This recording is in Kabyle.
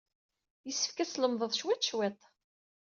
Yessefk ad tlemdeḍ cwiṭ, cwiṭ.